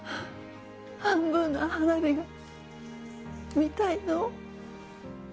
半分の花火が見たいの。